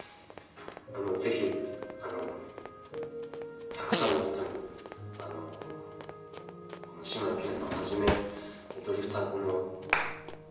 ぜひたくさんの人に志村けんさんをはじめドリフターズのドラマ。